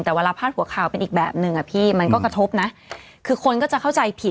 แต่เวลาพาดหัวข่าวเป็นอีกแบบหนึ่งอ่ะพี่มันก็กระทบนะคือคนก็จะเข้าใจผิด